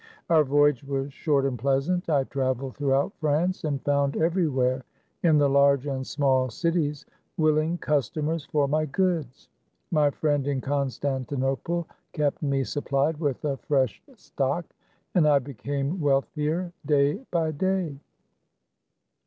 Our voyage was short and pleasant. I traveled throughout France, and found everywhere, in the large and small cities, willing customers for my goods. My friend in Constantinople kept me supplied with a fresh stock, and I became wealthier day by day.